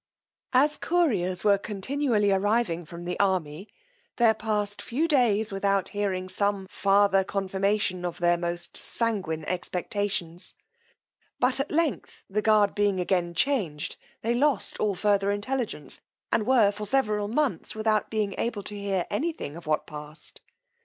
As couriers were continually arriving from the army, there passed few days without hearing some farther confirmation of their most sanguine expectations; but at length the guard being again changed, they lost all further intelligence, and were for several months without being able to hear any thing of what passed.